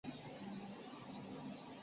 李翱为唐代贞元十四年进士。